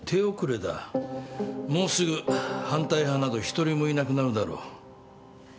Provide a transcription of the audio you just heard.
もうすぐ反対派など一人もいなくなるだろう。